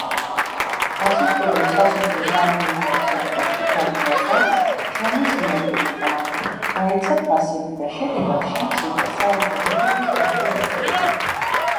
დასუსტებულ სასოფლო-სამეურნეო სექტორში გაიზარდა შრომის ღირებულება, დაეცა ფასები და შედეგად, შემცირდა საერთო მოგების მაჩვენებელი.